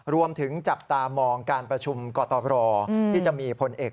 รวมถึงจับตามองการประชุมกตรบรอที่จะมีผลเอก